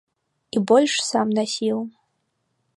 І больш сам насіў.